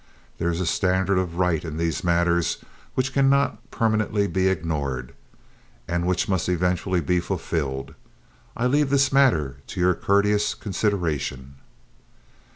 There is a standard of right in these matters which cannot permanently be ignored, and which must eventually be fulfilled. I leave this matter to your courteous consideration."